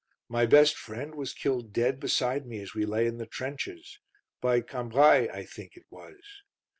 My best friend was killed dead beside me as we lay in the trenches. By Cambrai, I think it was.